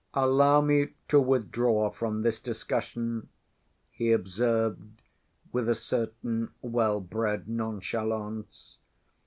"Allow me to withdraw from this discussion," he observed with a certain well‐bred nonchalance.